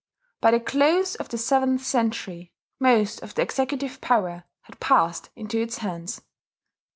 By the close of the seventh century most of the executive power had passed into its hands.